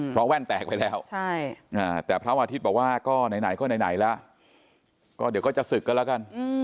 เพราะแว่นแตกไปแล้วแต่พระอาทิตย์บอกว่าก็ไหนก็ไหนแล้วก็เดี๋ยวก็จะศึกกันแล้วกัน